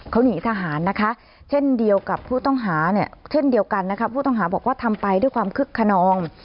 เขาหนีทหารเช่นเดียวกันผู้ต้องหาบอกว่าทำไปด้วยความคึกคณอง